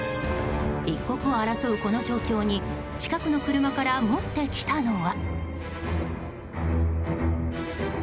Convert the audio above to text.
一刻を争う、この状況に近くの車から持ってきたのは。